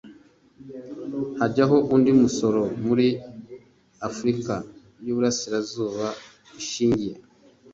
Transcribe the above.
hajyaho undi musoro muri afurika y uburasirazuba bishingiye